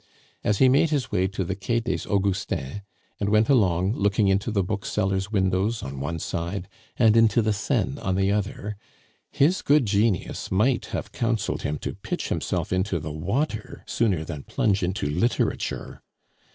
As he made his way to the Quai des Augustins, and went along, looking into the booksellers' windows on one side and into the Seine on the other, his good genius might have counseled him to pitch himself into the water sooner than plunge into literature.